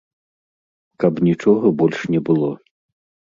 Каб нічога больш не было.